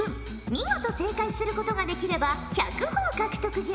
見事正解することができれば１００ほぉ獲得じゃ。